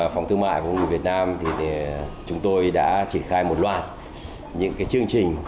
trong phòng thương mại của người việt nam thì chúng tôi đã triển khai một loạt những cái chương trình